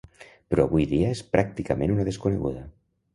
Però avui dia és pràcticament una desconeguda.